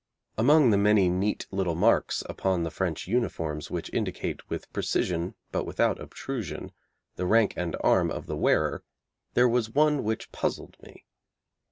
Among the many neat little marks upon the French uniforms which indicate with precision but without obtrusion the rank and arm of the wearer, there was one which puzzled me.